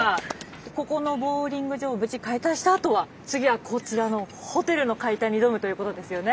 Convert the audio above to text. ここのボウリング場を無事解体したあとは次はこちらのホテルの解体に挑むということですよね。